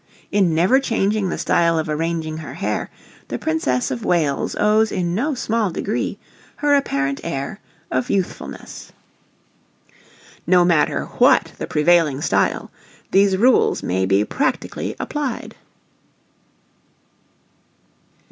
In never changing the style of arranging her hair, the Princess of Wales owes in no small degree her apparent air of youthfulness. [Illustration: NO. 20] NO MATTER WHAT THE PREVAILING STYLE THESE RULES MAY BE PRACTICALLY APPLIED.